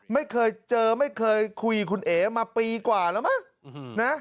ไม่เคยเจอไม่เคยคุยกับคุณเอ๋มาปีกว่าแล้วมั้งนะ